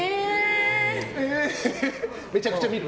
めちゃくちゃ見る？